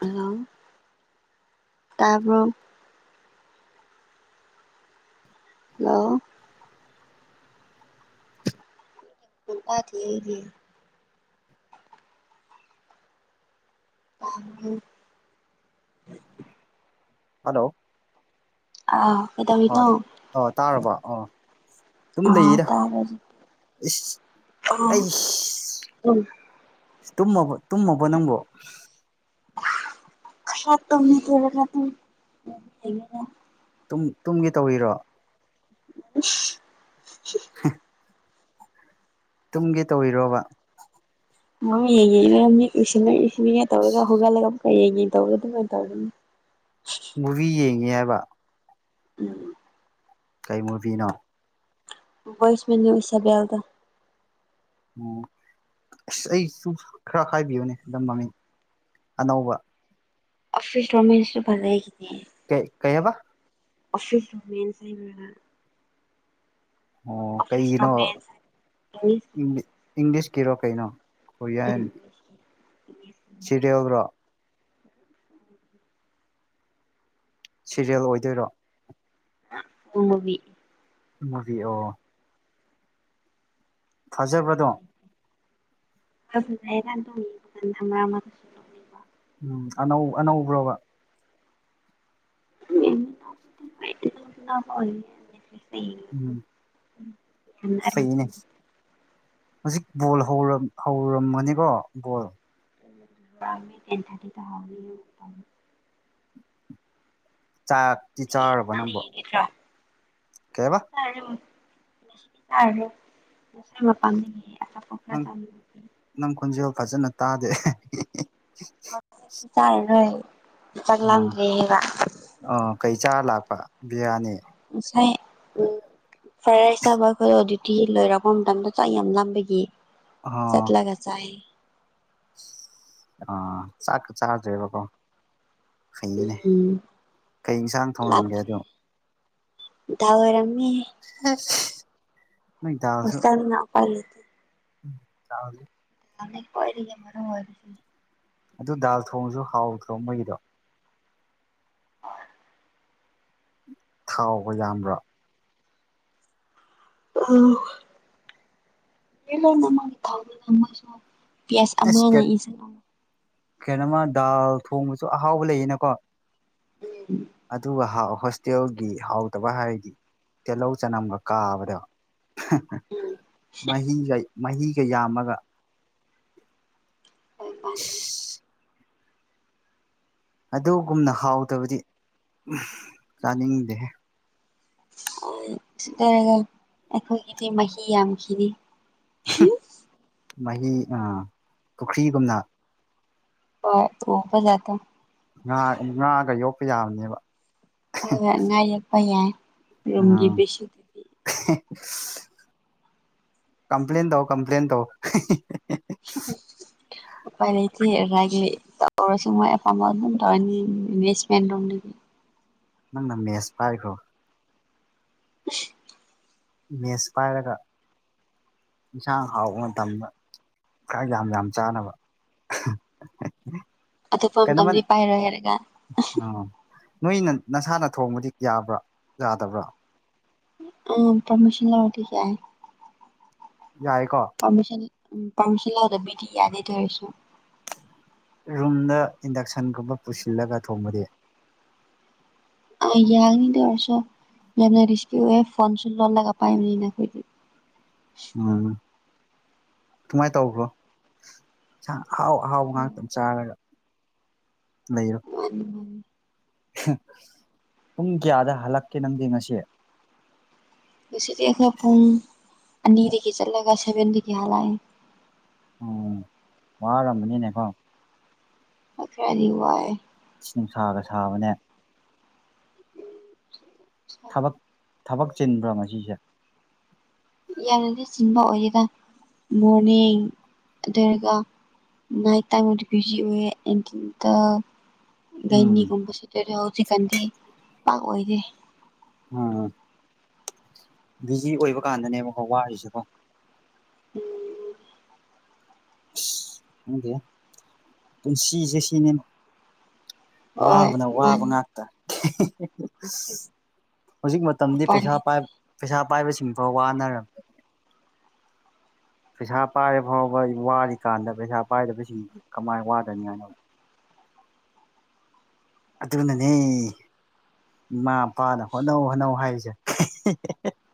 ꯑꯂ ꯇꯔꯕ ꯍꯂꯣ ꯊ ꯑ ꯍꯜꯂꯣ ꯑꯥ ꯑ ꯀꯩꯗꯧꯔꯤꯅꯣ ꯑꯣ ꯇꯥꯔꯕ ꯑꯣ ꯑꯥ ꯇꯥꯕ ꯑꯩ ꯎꯝ ꯇꯨꯝꯃꯕ ꯇꯨꯝꯃꯕꯣ ꯅꯪꯕꯣ ꯁꯥꯠꯇꯝꯃꯤ ꯊꯔꯦꯅ ꯇꯨꯝꯒꯤ ꯇꯧꯔꯤꯔꯣ ꯏꯁ ꯍꯥ ꯇꯨꯡꯒꯤ ꯇꯧꯕꯔꯤꯔꯣꯕ ꯍ ꯌꯦꯡꯉꯉꯅꯤ ꯏꯁꯤꯉ ꯏꯁꯤꯅꯤꯡꯉꯦ ꯇꯧꯔꯒ ꯍꯧꯒꯠꯂꯒ ꯍꯌꯦꯡ ꯇꯧꯒ ꯑꯗꯨꯃꯥꯏꯅ ꯇꯧꯒꯅꯤ ꯃꯨꯚꯤ ꯌꯦꯡꯉꯤ ꯍꯥꯏꯕ ꯎꯝ ꯀꯩ ꯃꯨꯚꯤꯅꯣ ꯕꯣꯏꯁ ꯃꯅꯤꯁꯕ ꯌꯥꯦꯜꯗ ꯑꯣ ꯑꯁ ꯑꯩꯁꯨ ꯈꯔ ꯍꯥꯏꯕꯤꯌꯨꯅꯦ ꯑꯗꯨꯝ ꯃꯃꯤꯡ ꯑꯅꯧꯕ ꯑꯣꯐꯤꯁ ꯔꯃꯦꯁꯁꯨ ꯐꯂ ꯍꯥꯏꯒ ꯀꯩ ꯀꯩꯕ ꯑꯣꯐꯤꯁꯦꯟꯁꯕ ꯑꯣ ꯀꯩꯒꯤꯅꯣ ꯔꯣꯃꯦꯟꯁ ꯏꯪꯂꯤꯁꯀꯤꯔꯣ ꯀꯩꯅꯣ ꯎꯝ ꯁꯤꯔꯤꯦꯜ꯭ꯔꯣ ꯁꯤꯦꯔꯤꯌꯦꯜ ꯑꯣꯏꯗꯣꯏꯔꯣ ꯑꯣꯃꯕꯤ ꯃꯕꯤ ꯑꯣ ꯊꯥꯖꯕꯗꯣ ꯑꯗꯨ ꯍꯥꯏꯔ ꯇꯅꯤꯀꯥꯟ ꯀꯁꯨ ꯇ ꯎꯝ ꯑꯅꯧ ꯑꯅꯧꯕ꯭ꯔꯣꯕ ꯃ ꯎꯝ ꯌꯦꯡꯕ ꯐꯅꯦ ꯍꯧꯖꯤꯛ ꯕꯣꯜ ꯍꯧꯔꯝꯃꯅꯤꯀꯣ ꯕꯣꯜ ꯇꯦꯟ ꯊꯥꯔꯇꯤꯗ ꯍꯥꯎꯅꯤ ꯆꯥꯛꯇꯤ ꯆꯥꯔꯕ ꯅꯪꯕꯣ ꯌꯦꯦꯣ ꯀꯩꯕ ꯀ ꯄꯝ ꯅꯪ ꯅꯪ ꯈꯣꯟꯖꯦꯜ ꯐꯖꯅ ꯇꯥꯗꯦ ꯆꯥꯏꯔꯣꯏ ꯑꯣ ꯆꯠꯂꯝꯗ꯭ꯔꯦꯦꯕ ꯑꯣ ꯀꯩ ꯆꯥ ꯂꯥꯛꯄ ꯕꯤꯔꯌꯥꯅꯤ ꯉꯁꯥꯏ ꯎ ꯐꯔꯦ ꯆꯥꯕ ꯑꯩꯈꯣꯏꯗꯣ ꯗ꯭ꯌꯨꯇꯤ ꯂꯣꯏꯔꯛꯄ ꯃꯇꯝꯗ ꯆꯥꯛ ꯌꯥꯝ ꯂꯝꯕꯒꯤ ꯑꯣ ꯆꯠꯂꯒꯁꯑ ꯑꯥ ꯆꯥꯛ ꯆꯥꯦꯕꯀꯣ ꯍꯩꯅꯦ ꯎꯝ ꯀꯩ ꯏꯟꯁꯥꯡ ꯊꯣꯡꯉꯝꯒꯦ ꯑꯗꯣ ꯊꯗꯥ ꯑꯣꯏꯔꯝ ꯅ ꯆꯁꯨ ꯑꯗꯤ ꯎꯝ ꯆ ꯑꯔꯦ ꯃꯔꯔꯝ ꯑꯣꯏꯏꯔꯁꯤ ꯑꯗꯨ ꯗꯥꯜ ꯊꯣꯡꯁꯨ ꯍꯥꯎꯗ꯭ꯔꯣꯡ ꯃꯣꯏꯒꯤꯗꯣ ꯍ ꯊꯥꯎꯕ ꯌꯥꯝꯕ꯭ꯔꯥ ꯑꯂꯅ ꯃꯥꯅꯤ ꯊꯁꯨ ꯄꯤ ꯑꯁ ꯑꯃꯅ ꯏꯁꯤ ꯀꯩꯅꯣꯃ ꯗꯥꯜ ꯊꯣꯡꯕꯁꯨ ꯑꯍꯥꯎꯕ ꯂꯩꯌꯦꯅꯀꯣ ꯎꯝ ꯑꯗꯨꯒ ꯍꯥꯎꯑꯣ ꯍꯣꯁꯇꯦꯜꯒꯤ ꯍꯥꯎꯇꯕ ꯍꯥꯏꯔꯗꯤ ꯇꯤꯜꯍꯧ ꯆꯅꯝꯒ ꯀꯥꯕꯗ ꯃꯍꯤꯒ ꯃꯍꯤꯒ ꯌꯥꯝꯃꯒ ꯍ ꯃꯥꯅꯤ ꯑꯗꯨꯒꯨꯝꯅ ꯍꯥꯎꯗꯕꯗꯤ ꯆꯥꯅꯤꯡꯗꯦ ꯁꯤ ꯂꯩꯔꯒ ꯑꯩꯈꯣꯏꯒꯤꯗꯤ ꯃꯍꯤ ꯌꯥꯝꯈꯤꯅꯤ ꯃꯥꯒꯤ ꯄꯨꯈ꯭ꯔꯤꯒꯨꯝꯅ ꯍ ꯎꯄ ꯉꯥ ꯉꯥꯒ ꯌꯣꯛꯄ ꯌꯥꯕꯅꯦꯕ ꯍ ꯉꯥꯏ ꯌꯦꯛꯄ ꯌꯥꯏ ꯔꯨꯝꯒꯤ ꯎꯝ ꯕꯤꯁꯤꯗꯨꯗꯤ [unintelligible] ꯀꯝꯄ꯭ꯂꯦꯟ ꯇꯧ ꯀꯝꯄ꯭ꯂꯦꯟ ꯇꯧ ꯄꯥꯏꯗꯤꯔꯒꯦ ꯇꯧꯔꯁꯤ ꯑꯦꯐꯥꯝꯝ ꯊꯧ ꯏꯚꯦꯁꯃꯦꯟ ꯂ ꯅꯪꯅ ꯃꯦꯁ ꯄꯥꯏꯔꯤꯈ꯭ꯔꯣ [unintelligible] ꯃꯦꯁ ꯄꯥꯏꯔꯒ ꯏꯟꯁꯥꯡ ꯍꯥꯎꯕ ꯃꯇꯝꯗ ꯈ ꯌꯥꯝ ꯌꯥꯝ ꯆꯥꯅꯕ ꯑꯇꯣꯞꯄ ꯀꯩꯅꯣꯃ ꯃꯇꯝꯗꯤ ꯄꯥꯏꯔꯣꯏ ꯍꯥꯏꯔꯒ ꯑꯥ ꯅꯣꯏꯅ ꯅꯁꯥꯅ ꯊꯣꯡꯕꯗꯤ ꯌꯥꯕ꯭ꯔꯥ ꯌꯥꯗꯕ꯭ꯔꯥ ꯎꯝ ꯄꯔꯃꯤꯁꯟ ꯂꯇ ꯀꯑꯦ ꯌꯥꯏꯀꯣ ꯎꯝ ꯄꯥꯝꯁꯤꯜꯂꯑꯣꯗꯕꯤꯗꯤ ꯌꯥꯗꯦꯗꯔꯁꯨ ꯔꯨꯝꯗ ꯏꯟꯗꯛꯁꯟꯒꯨꯝꯕ ꯄꯨꯁꯤꯜꯂꯒ ꯊꯣꯡꯃꯗꯦ ꯑ ꯌꯥꯒꯅꯤꯗ ꯋꯥꯔꯁꯣ ꯌꯥꯝꯅ ꯔꯤꯁꯀꯤ ꯑꯦ ꯐꯣꯟ ꯆꯣꯟ ꯂꯂꯣꯟꯂꯒ ꯄꯥꯏꯃꯤꯅꯤꯅ ꯈꯣꯏꯗꯤ ꯎꯝ ꯀꯃꯥꯏꯅ ꯇꯧꯕ꯭ꯔꯣ ꯑꯍꯥꯎ ꯑꯍꯥꯎꯕ ꯉꯥꯛꯇ ꯑꯃ ꯆꯥꯔꯒ ꯂꯩꯔꯣ ꯃꯥꯅꯤ ꯃꯥꯅꯤ ꯄꯨꯡ ꯀꯌꯥꯗ ꯍꯜꯂꯛꯀꯦ ꯅꯪꯗꯤ ꯉꯁꯤ ꯍꯧꯁꯤꯤ ꯑꯩꯈꯣꯏ ꯄꯨꯡ ꯑꯅꯤꯗꯒꯤ ꯆꯠꯂꯒ ꯁꯚꯦꯟꯗꯒꯤ ꯍꯂꯛꯑꯦ ꯎꯝ ꯋꯥꯔꯝꯕꯅꯤꯅꯦꯀꯣ ꯑ ꯐꯗꯤ ꯋꯥꯏ ꯏ ꯅꯨꯡꯁꯥꯒ ꯁꯥꯕꯅꯦ ꯕꯛ ꯊꯕꯛ ꯆꯤꯟꯕ꯭ꯔꯥ ꯃꯁꯤꯁꯦ ꯌꯥꯝꯅꯗꯤ ꯆꯤꯡꯕ ꯑꯣꯏꯒꯦꯗ ꯃꯣꯔꯅꯤꯡ ꯑꯗꯨꯒꯔꯒ ꯅꯥꯥꯏ ꯇꯥꯏꯃꯗꯤ ꯕꯤꯖꯤ ꯑꯣꯏꯌꯦꯦꯇꯇ ꯎꯝ ꯒꯩꯅꯤꯒꯨꯝꯕꯁꯨ ꯇꯔ ꯍꯧꯖꯤꯛꯀꯥꯟꯗꯤ ꯄꯥꯛ ꯑꯣꯏꯗꯦ ꯎꯝ ꯕꯤꯖꯤ ꯑꯣꯏꯕ ꯀꯥꯟꯗꯅꯦꯕꯀꯣ ꯋꯥꯔꯤꯔꯤꯁꯤꯦꯀꯣ ꯎꯝ ꯎꯗꯦ ꯄꯨꯟꯁꯤꯁꯦ ꯁꯤꯅꯦ ꯍꯣꯏ ꯋꯥꯕꯅ ꯋꯥꯕ ꯃꯥꯅꯤ ꯉꯥꯛꯇ ꯍꯧꯖꯤꯛ ꯃꯇꯝꯗꯤ ꯎꯄꯥꯏ ꯄꯩꯁꯥ ꯄꯥꯏ ꯂꯩꯇꯦ ꯄꯩꯁꯥ ꯄꯥꯏꯕꯁꯤꯡꯐꯥꯎ ꯋꯥꯅꯔꯝ ꯄꯩꯁꯥ ꯄꯥꯏꯔ ꯐꯥꯎꯕ ꯋꯥꯔꯤꯀꯥꯟꯗ ꯄꯩꯁꯥ ꯄꯥꯏꯗꯕꯁꯤꯡꯁꯤ ꯀꯃꯥꯏꯅ ꯋꯥꯗꯅꯤ ꯍꯥꯏꯅꯣ ꯑꯗꯨꯅꯅꯦ ꯏꯃꯥꯄꯥꯅ ꯍꯣꯠꯅꯧ ꯍꯣꯅꯧ ꯍꯥꯏꯔꯤꯁꯦ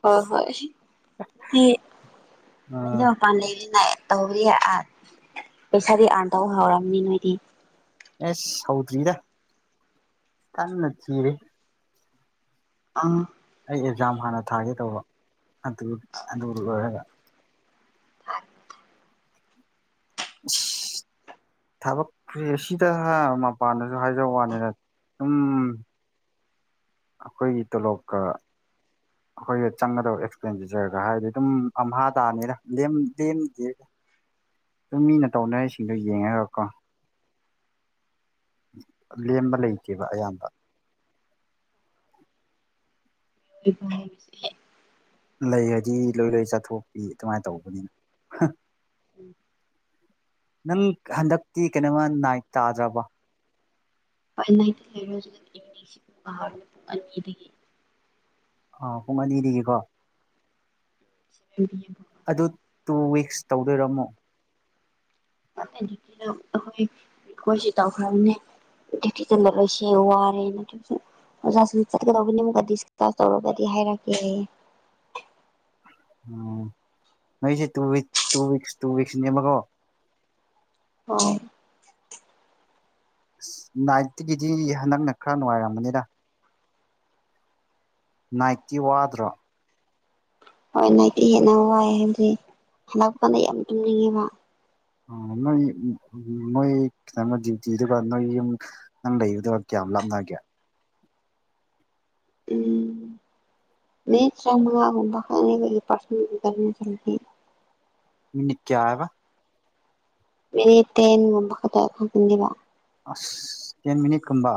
ꯍꯣꯏ ꯍꯣꯏ ꯑꯗꯨꯗꯤ ꯑꯥ ꯃꯄꯥꯟ ꯂꯩ ꯇꯧꯕꯗꯤ ꯑꯥ ꯄꯩꯁꯥꯗꯤ ꯑꯥꯔꯟ ꯇꯧꯕ ꯍꯧꯔꯝꯅꯤ ꯅꯣꯏꯗꯤ ꯑꯦꯁ ꯁꯧꯗ꯭ꯔꯤꯗ ꯀꯟꯅ ꯊꯤꯔꯦ ꯑ ꯑꯦꯛꯖꯥꯝ ꯍꯥꯟꯅ ꯊꯥꯒꯦ ꯇꯧꯕ ꯑꯗꯨ ꯑꯗꯨ ꯂꯣꯏꯔꯒ ꯑ [unintelligible] [inaudible] ꯊꯕꯛ ꯑꯁꯤꯗ ꯃꯄꯥꯟꯗꯁꯨ ꯍꯥꯏꯖ ꯋꯥꯅꯤꯅ ꯑꯗꯨꯝ ꯑꯩꯈꯣꯏꯒꯤ ꯇꯣꯂꯣꯞꯀ ꯑꯩꯈꯣꯏ ꯆꯪꯒꯗꯕ ꯑꯦꯛꯁꯄꯦꯟꯗꯤꯆꯔꯒ ꯍꯥꯏꯔꯗꯤ ꯑꯗꯨꯝ ꯑꯥ ꯇꯥꯅꯤꯅ ꯂꯦꯝꯗꯦ ꯁꯨꯝ ꯃꯤꯅ ꯇꯧꯅꯔꯤꯁꯤꯡꯗꯨꯣ ꯌꯦꯡꯉꯒꯀꯣ ꯂꯦꯝꯕ ꯂꯩꯇꯦꯕ ꯑꯌꯥꯝꯕ ꯑꯗꯨ ꯂꯩꯔꯗꯤ ꯂꯣꯏ ꯂꯣꯏ ꯆꯠꯊꯣꯛꯄꯤ ꯑꯗꯨꯃꯥꯏꯅ ꯇꯧꯕꯅꯤꯅ ꯎꯝ ꯅꯪ ꯍꯟꯗꯛꯇꯤ ꯀꯩꯅꯣꯃ ꯅꯥꯏꯠ ꯇꯥꯗ꯭ꯔꯕ ꯄꯅꯥꯇ ꯏ ꯍꯥ ꯑꯥ ꯄꯨꯡ ꯑꯅꯤꯗꯒꯤꯀꯣ ꯑꯗꯨ [inaudible] ꯇꯨ ꯋꯤꯛꯁ ꯇꯧꯗꯣꯏꯔꯝꯃꯣ ꯗ ꯑꯩꯈꯣꯏ ꯈꯣꯏꯁꯤ ꯇꯧꯈ꯭ꯔꯕꯅꯦ ꯄꯩꯁꯦ ꯋꯥꯔꯦꯅ ꯑꯣꯖꯥꯁꯤꯡ ꯆꯠꯀꯗꯧꯕꯅꯤ ꯑꯃꯀ ꯗꯤꯁꯀꯥꯁ ꯇꯧꯔꯒꯗꯤ ꯍꯥꯏꯔꯛꯀꯦꯌꯦ [inaudible] ꯎꯝ ꯅꯣꯏꯁꯦ ꯇꯨꯋꯤꯛ ꯇꯨ ꯋꯤꯛꯁ ꯇꯨ ꯋꯤꯛꯁꯅꯦꯕꯀꯣ ꯍ ꯑꯁ ꯅꯥꯏꯠꯇꯒꯤꯗꯤ ꯍꯟꯗꯛꯅ ꯈꯔ ꯅꯨꯡꯉꯥꯏꯔꯝꯕꯅꯤꯗ ꯅꯥꯏꯠꯇꯤ ꯋꯥꯗ꯭ꯔꯣ ꯍꯣꯏ ꯅꯥꯄꯤ ꯍꯦꯟꯅ ꯋꯥꯏ ꯍꯥꯏꯕꯗꯤ ꯍꯟꯗꯛꯄ ꯀꯥꯟꯗ ꯌꯥꯝ ꯇꯨꯝꯅꯤꯡꯉꯦꯕ ꯌꯗ ꯌꯥꯝ ꯂꯞꯅꯒꯦ ꯎꯝ ꯅꯇ꯭ꯔ ꯑꯃꯒꯨꯝ ꯐꯅꯤꯕꯒꯤ ꯄꯁ ꯀꯅ ꯆꯇ ꯃꯤꯅꯤ ꯀꯌꯥꯕ ꯃ ꯇꯅꯨꯡꯉꯝꯕ ꯈꯗ ꯀꯗꯤꯕ ꯑꯁ ꯇꯦꯟ ꯃꯤꯅꯤꯠꯀꯨꯝꯕ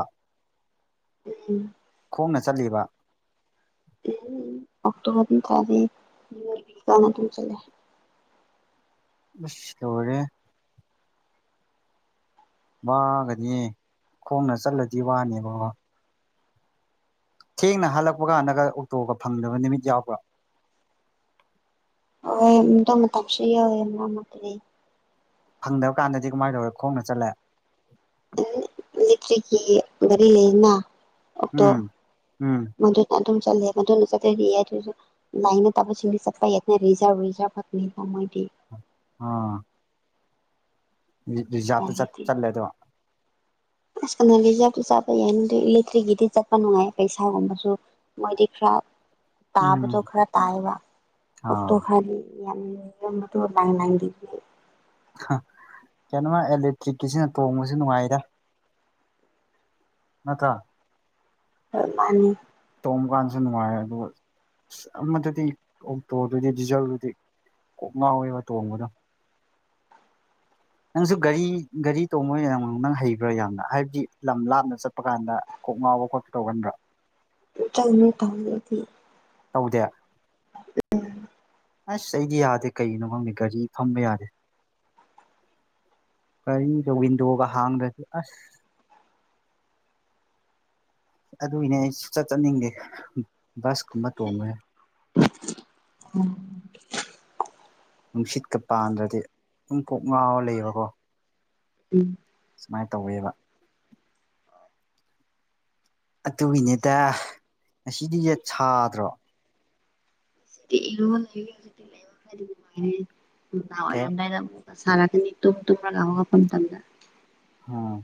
ꯎꯝꯝ ꯐꯣꯡꯅ ꯆꯠꯂꯤꯕ ꯎꯝ ꯑꯣꯛꯇꯛꯇꯣꯕꯔ ꯇꯥꯔꯤꯅꯝ ꯆ ꯂꯩ ꯁ ꯇꯔꯦ ꯋꯥꯒꯗꯤ ꯈꯣꯡꯅ ꯆꯠꯂꯗꯤ ꯋꯥꯅꯦꯕ ꯊꯦꯡꯅ ꯍꯥꯜꯂꯛꯄ ꯀꯥꯟꯗꯒ ꯑꯣꯛꯇꯣꯒ ꯐꯪꯗꯕ ꯅꯨꯃꯤꯠ ꯌꯥꯎꯕ꯭ꯔꯥ ꯍ ꯇꯣꯃ ꯇꯞꯁꯤ ꯑꯣꯏ ꯃꯥꯇ ꯐꯪꯗꯕ ꯀꯥꯟꯗꯗꯤ ꯀꯃꯥꯏꯅ ꯇꯧꯔꯦ ꯈꯣꯡꯅ ꯆꯠꯂꯦ ꯂꯤꯇ꯭ꯔꯤꯒꯤ ꯒꯥꯔꯤ ꯂꯩꯅ ꯑꯣꯛꯇꯣ ꯎꯝ ꯎꯝ ꯃꯗꯨꯅ ꯑꯗꯨꯝ ꯆꯠꯂꯦ ꯃ ꯆꯠꯇ ꯂꯥꯏꯅ ꯇꯥꯁꯤꯡꯗꯤ ꯆꯠꯄꯖꯖꯥ [unintelligible] ꯑꯥ ꯎꯄꯥꯏ ꯔꯤꯖꯥꯕꯇ ꯂꯩꯇꯦ ꯆꯠꯂꯦꯗꯣ ꯑꯁ ꯀ ꯔꯤꯖꯥꯇ ꯆꯠꯄ ꯌꯥꯏ ꯏꯂꯦꯛꯇ꯭ꯔꯤꯛꯀꯤꯗꯤ ꯆꯠꯄ ꯅꯨꯡꯉꯥꯏ ꯄꯩꯁꯥꯒꯨꯝꯕꯁꯨ ꯃꯣꯏꯗꯤ ꯈꯔ ꯎꯝ ꯇꯥꯕꯗ ꯈꯔ ꯇꯥꯏꯕ ꯑꯣꯛꯇꯣ ꯑꯥ ꯈꯔꯗꯤ ꯌꯥꯝ ꯇ ꯑꯣꯏꯔ ꯂ ꯅꯗꯤꯦ ꯀꯩꯅꯣꯃ ꯑꯦꯂꯦꯛꯇ꯭ꯔꯤꯛꯀꯤꯁꯤꯅ ꯇꯣꯡꯕꯁꯨ ꯅꯨꯡꯉꯥꯏꯔ ꯃꯊꯥ ꯍ ꯃꯥꯅꯤ ꯇꯣꯡꯕ ꯀꯥꯟꯁꯨ ꯅꯨꯡꯉꯥꯏꯔꯦ ꯑꯗꯨꯒ ꯑꯁ ꯑꯃꯗꯗꯤ ꯑꯣꯛꯇꯣꯗꯨꯗꯤ ꯗꯤꯖꯜꯗꯨꯗꯤ ꯀꯣꯛ ꯉꯥꯎꯋꯦꯕ ꯇꯣꯡꯕꯗꯣ ꯅꯪꯁꯨ ꯒꯥꯔꯤ ꯒꯥꯔꯤ ꯇꯣꯡꯉꯣꯏ ꯑꯣꯏꯅ ꯅ ꯅꯪ ꯍꯩꯕ꯭ꯔꯥ ꯌꯥꯝꯅ ꯍꯥꯏꯕꯗꯤ ꯂꯝ ꯂꯥꯞꯅ ꯆꯠꯄ ꯀꯥꯟꯗ ꯀꯣꯛ ꯃꯕ ꯈꯣꯠꯄ ꯇꯧꯒꯟꯕ꯭ꯔꯥ ꯆꯪꯅꯤ ꯇꯥꯪꯅꯤ ꯊ ꯇꯧꯗꯦ ꯑꯁ ꯑꯩꯗꯤ ꯌꯥꯗꯦ ꯀꯩꯒꯤꯅꯣ ꯈꯪꯅꯤꯦ ꯒꯥꯔꯤ ꯐꯝꯕ ꯌꯥꯗꯦ ꯀꯔꯤꯗꯣ ꯋꯤꯟꯗꯣꯒ ꯍꯥꯡꯗ꯭ꯔꯁꯤ ꯑꯁ ꯑꯗꯨꯏꯅꯦ ꯑꯩ ꯆꯠ ꯆꯠꯅꯤꯡꯗꯦ ꯕꯁ ꯀꯨꯝꯕ ꯇꯣꯡꯉꯦ ꯎꯝ ꯅꯨꯡꯁꯤꯠꯀ ꯄꯥꯟꯗ꯭ꯔꯗꯤ ꯑꯗꯨꯝ ꯀꯣꯛ ꯉꯥꯎꯔ ꯂꯩꯕꯀꯣ ꯎꯝ ꯁꯨꯃꯥꯏꯅ ꯇꯧꯋꯦꯕ ꯑꯗꯨꯒꯤꯅꯦꯗ ꯉꯁꯤꯗꯤꯁꯦ ꯁꯥꯗ꯭ꯔꯣ ꯏ ꯀꯔꯥꯏ ꯀꯌꯥ ꯁꯔꯥꯒꯅꯤ ꯇꯣ ꯇꯣ ꯉꯥꯎꯕꯒꯥꯎ ꯐꯟ ꯇꯝꯅ ꯎꯝ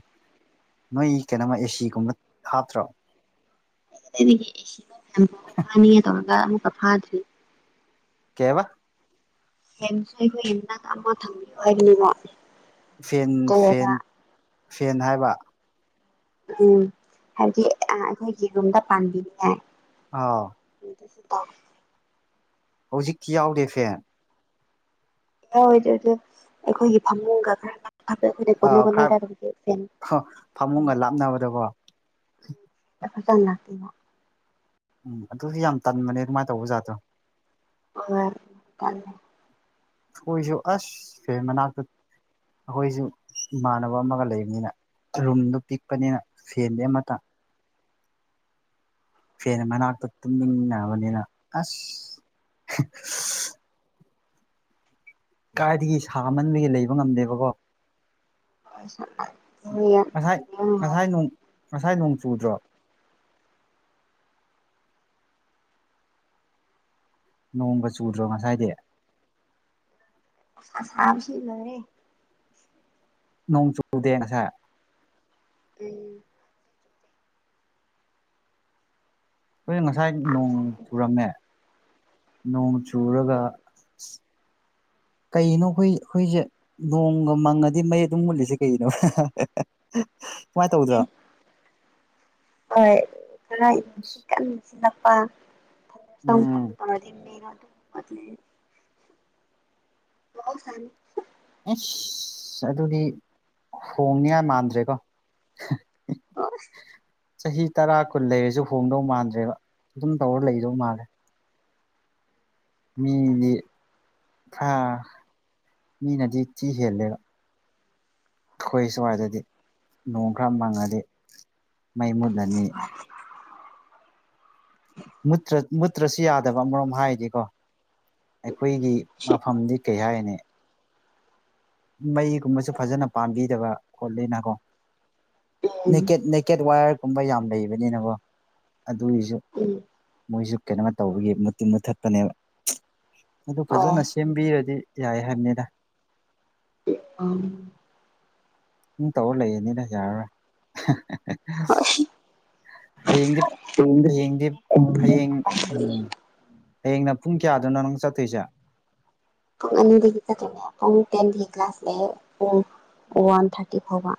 ꯅꯣꯏ ꯀꯩꯅꯣꯃ ꯑꯦꯁꯤꯒꯨꯝꯕ ꯍꯥꯞꯇ꯭ꯔꯣ ꯇꯒ ꯑꯃꯨ ꯀ ꯐꯥꯗꯔꯤ ꯀꯦꯕ ꯍꯁꯨ ꯑꯩꯈꯣꯏ ꯍꯟꯟꯅ ꯑꯃ ꯊꯝꯕꯤꯌꯣ ꯍꯥꯏꯅꯤꯕ ꯁꯦꯟ ꯁꯦꯟ ꯁꯦꯟ ꯍꯥꯏꯕ ꯎꯝ ꯍꯥꯏꯕꯗꯤ ꯑꯩꯈꯣꯏꯒꯤ ꯔꯨꯝꯗ ꯄꯥꯟꯝꯕꯤꯅꯤꯅꯦ ꯑꯥꯎ ꯁꯤ ꯇ ꯍꯧꯖꯤꯛꯇꯤ ꯌꯥꯎꯗꯦ ꯐꯦ ꯌꯥ ꯑꯣꯏꯗ ꯑꯗꯨꯗ ꯑꯩꯈꯣꯏꯒꯤ ꯐꯃꯨꯡꯒ ꯈꯔ ꯅꯛꯅꯕꯗ ꯑꯩꯈꯣꯏꯅ ꯑ ꯀꯣꯟꯅ ꯀꯣꯟꯅꯗ ꯈꯔ ꯑꯗꯨꯝꯗꯤ ꯐꯦꯟ ꯎꯝ ꯐꯃꯨꯡꯒ ꯂꯥꯞꯅꯕꯗꯀꯣ [unintelligible] ꯇ ꯂꯇꯅꯣ ꯎꯝ ꯑꯗꯨꯁꯨ ꯌꯥꯝ ꯇꯟꯕꯅꯦ ꯑꯗꯨꯃꯥꯏꯅ ꯇꯧꯕ ꯖꯥꯠꯇꯣ ꯑꯣꯏ ꯀ ꯈꯨꯁꯨꯣ ꯑꯁꯁꯦ ꯃꯅꯥꯀꯠ ꯑꯩꯈꯣꯏꯁꯨ ꯏꯃꯥꯟꯅꯕ ꯑꯃꯒ ꯂꯩꯕꯅꯤꯅ ꯔꯨꯝꯗꯣ ꯄꯤꯛꯄꯅꯤꯅ ꯁꯦꯟꯗꯤꯦ ꯑꯃꯇ ꯐꯦꯅ ꯃꯅꯥꯛꯇ ꯇꯨꯝꯃꯤꯟꯅꯕꯅꯤꯅ ꯑꯁ ꯀꯥꯏꯗꯒꯤ ꯁꯥꯃꯟꯕꯒꯤ ꯂꯩꯕ ꯉꯝꯗꯦꯕꯀꯣ ꯉꯁꯥꯏ ꯉꯁꯥꯏ ꯅꯣꯡ [unintelligible] ꯉꯁꯥꯏ ꯅꯣꯡ ꯆꯨꯗ꯭ꯔꯣ ꯅꯣꯡꯒ ꯆꯨꯗ꯭ꯔꯣ ꯉꯁꯥꯏꯗꯤ ꯁꯁꯤꯂꯔꯦ ꯅꯣꯡ ꯆꯨꯗꯦ ꯉꯁꯥꯏ ꯎꯝ ꯑꯩꯈꯣꯏꯅ ꯉꯁꯥꯏ ꯅꯣꯡ ꯆꯨꯔꯝꯃꯦ ꯅꯣꯡ ꯆꯨꯔꯒ ꯀꯩꯅꯣ ꯑꯩꯈꯣꯏ ꯑꯩꯈꯣꯏꯁꯦ ꯅꯣꯡꯒ ꯃꯪꯉꯗꯤ ꯃꯩ ꯑꯗꯨꯝ ꯃꯨꯂꯤꯁꯦ ꯀꯩꯅꯣ ꯍꯣꯏꯅꯨꯡ ꯁꯤ ꯎꯝ ꯪꯥꯟ ꯍ ꯁ ꯑꯁ ꯑꯗꯨꯗꯤ ꯍꯣꯡꯅꯤꯉ ꯃꯥꯟꯗ꯭ꯔꯦꯀꯣ ꯑ ꯆꯍꯤ ꯇꯔꯥ ꯀꯨꯟ ꯂꯩꯔꯁꯨ ꯍꯣꯡꯗꯧ ꯃꯥꯟꯗ꯭ꯔꯦꯕ ꯑꯗꯨꯝ ꯇꯧꯔ ꯂꯩꯗꯧ ꯃꯥꯜꯂꯦ ꯃꯤꯗꯤ ꯊꯥ ꯃꯤꯅꯗꯤ ꯊꯤ ꯍꯦꯜꯂꯦꯕ ꯑꯩꯈꯣꯏ ꯁ꯭ꯋꯥꯏꯗꯗꯤ ꯅꯣꯡ ꯈꯔ ꯃꯪꯉꯗꯤ ꯃꯩꯃꯨꯗ ꯑꯅꯤ ꯨꯠꯇ꯭ꯔ ꯃꯨꯠꯇ꯭ꯔꯁꯨ ꯌꯥꯗꯕ ꯑꯃꯔꯣꯝ ꯍꯥꯏꯗꯤꯀꯣ ꯑꯩꯈꯣꯏꯒꯤ ꯃꯐꯝꯗꯤ ꯀꯩ ꯍꯥꯏꯅꯤ ꯃꯩꯒꯨꯝꯕꯁꯨ ꯐꯖꯅ ꯄꯥꯟꯕꯤꯗꯕ ꯈꯣꯠꯂꯤꯅꯀꯣ ꯎꯝ ꯅꯦꯀꯦꯠ ꯅꯦꯀꯦꯠ ꯋꯥꯌꯔꯒꯨꯝꯕ ꯌꯥꯝ ꯂꯩꯕꯅꯤꯅꯀꯣ ꯑꯗꯨꯒꯤꯁꯨ ꯎꯝ ꯃꯣꯏꯁꯨ ꯀꯩꯅꯣ ꯇꯧꯕꯒꯤ ꯃꯨꯇꯤꯟꯕ ꯊꯠꯄꯅꯦꯕ ꯑꯗꯨ ꯍꯣꯏ ꯐꯖꯅ ꯁꯦꯝꯕꯤꯔꯗꯤ ꯌꯥꯏ ꯍꯥꯏꯕꯅꯤꯗ ꯑ ꯨꯝ ꯇꯧꯔ ꯂꯩꯌꯦꯅꯤꯅ ꯌꯥꯔꯔꯣꯏ ꯍꯌꯦꯡꯗꯤ ꯍꯌꯦꯡꯗꯤ ꯍꯌꯦꯡ ꯎꯝ ꯍꯌꯦꯡꯅ ꯄꯨꯡ ꯀꯌꯥꯗꯨꯅ ꯅꯪ ꯆꯠꯇꯣꯏꯁꯦ ꯉ ꯆꯦ ꯑ ꯇꯦꯟ ꯀ꯭ꯂꯥꯁꯂꯦ ꯋꯥꯟ ꯊꯥꯔꯇꯤ ꯐꯥꯎꯣꯔ